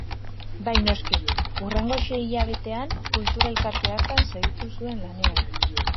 Bai noski, hurrengo sei hilabetean kultura-elkarte hartan segitu zuen lanean.